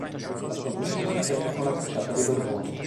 La sua abolizione avvenne con la cacciata dei Borbone.